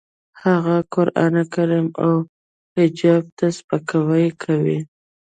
هغه قرانکریم او حجاب ته سپکاوی کوي